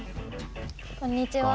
こんにちは。